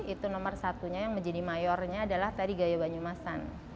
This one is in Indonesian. itu nomor satunya yang menjadi mayornya adalah tari gaya banyumasan